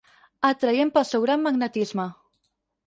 Atraient pel seu gran magnetisme.